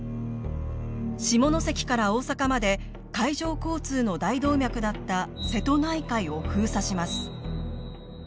下関から大坂まで海上交通の大動脈だった瀬戸内海を封鎖します。